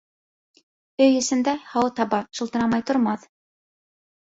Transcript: Өй эсендә һауыт-һаба шалтырамай тормаҫ.